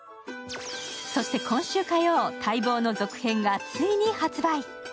そして今週火曜、待望の続編がついに発売。